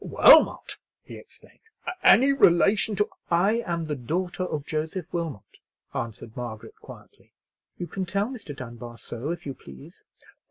"Wilmot!" he exclaimed; "any relation to——" "I am the daughter of Joseph Wilmot," answered Margaret, quietly. "You can tell Mr. Dunbar so if you please."